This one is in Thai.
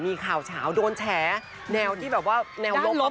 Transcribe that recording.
มีข่าวเฉาโดนแฉแนวที่แบบว่าแนวลบ